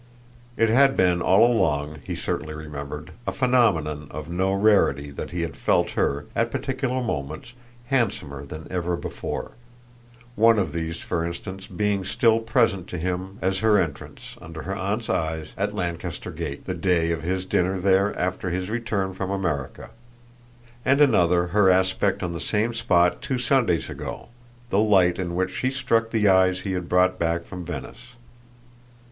It had been all along, he certainly remembered, a phenomenon of no rarity that he had felt her, at particular moments, handsomer than ever before; one of these for instance being still present to him as her entrance, under her aunt's eyes, at Lancaster Gate, the day of his dinner there after his return from America; and another her aspect on the same spot two Sundays ago the light in which she struck the eyes he had brought back from Venice.